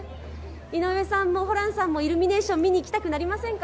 井上さんもホランさんも、イルミネーション見にきたくなりませんか？